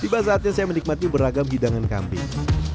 tiba saatnya saya menikmati beragam hidangan kambing